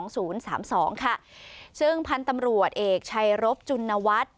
ซึ่งพันธุ์ตำรวจเอกชัยรบจุณวัฒน์